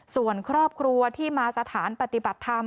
ส่วนครอบครัวที่มาสถานปฏิบัติธรรม